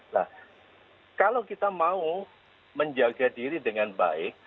nah kalau kita mau menjaga diri dengan baik